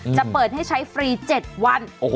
จะเปิดให้ใช้ฟรี๗วัน